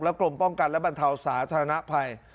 กรมป้องกันและบรรเทาสาธารณภัย